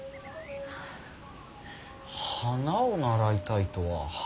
花を習いたいとは。